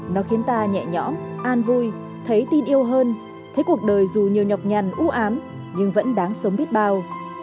nó khiến ta nhẹ nhõm an vui thấy tin yêu hơn thấy cuộc đời dù nhiều nhọc nhằn ưu ám nhưng vẫn đáng sống biết bao